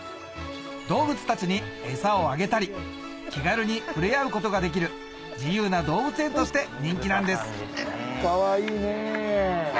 動物たちに餌をあげたり気軽に触れ合うことができる自由な動物園として人気なんですかわいいね。